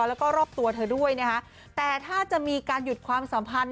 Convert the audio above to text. แล้วก็รอบตัวเธอด้วยนะคะแต่ถ้าจะมีการหยุดความสัมพันธ